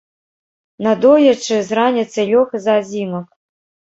Надоечы з раніцы лёг зазімак.